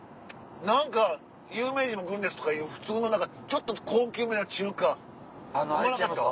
何か有名人も来るんですとかいう普通の何かちょっと高級めな中華うまなかった？